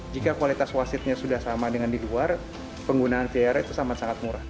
jika kualitas wasitnya sudah sama dengan di luar penggunaan vir itu sangat sangat murah